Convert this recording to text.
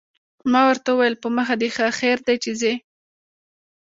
ما ورته وویل: په مخه دې ښه، خیر دی چې ځې.